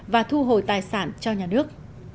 và thu hồi tài sản cho nhà nước